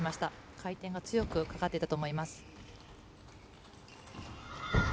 回転が強くかかっていたと思います。